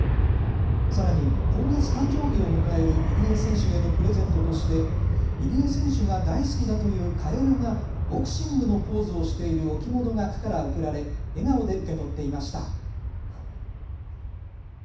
さらに今月誕生日を迎える入江選手へのプレゼントとして入江選手が大好きだというカエルがボクシングのポーズをしている置物が区から贈られ、笑顔で受け取っていました。